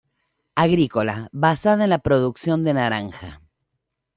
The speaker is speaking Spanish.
Agrícola, basada en la producción de naranja.